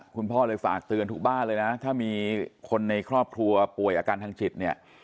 คุณพ่อเลยฝากเตือนทุกบ้านเลยนะถ้ามีคนในครอบครัวป่วยอาการทางจิตเนี่ย